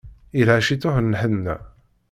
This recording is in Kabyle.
Yelha ciṭuḥ n lḥenna.